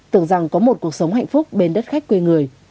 tưởng rằng có một cuộc sống hạnh phúc bên đất khách quê người